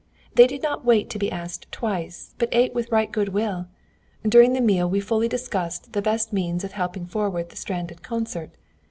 They did not wait to be asked twice, but ate with right good will. During the meal we fully discussed the best means of helping forward the stranded concert.